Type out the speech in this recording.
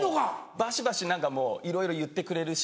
ばしばし何かもういろいろ言ってくれるし。